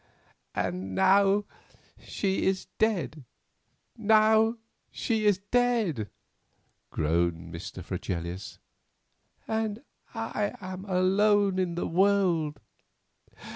"And now she is dead, now she is dead," groaned Mr. Fregelius, "and I am alone in the world."